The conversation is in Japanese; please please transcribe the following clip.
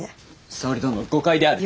沙織殿誤解である。